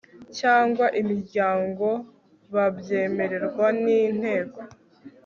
cyangwa imiryango babyemererwa n inteko